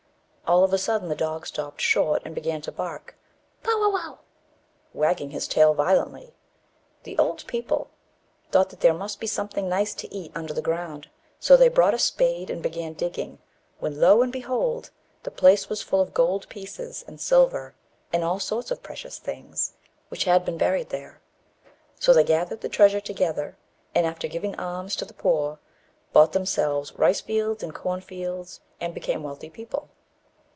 All of a sudden, the dog stopped short, and began to bark, "Bow, wow, wow!" wagging his tail violently. The old people thought that there must be something nice to eat under the ground, so they brought a spade and began digging, when, lo and behold! the place was full of gold pieces and silver, and all sorts of precious things, which had been buried there. So they gathered the treasure together, and, after giving alms to the poor, bought themselves rice fields and corn fields, and became wealthy people.